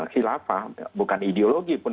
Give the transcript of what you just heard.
khilafah bukan ideologi pun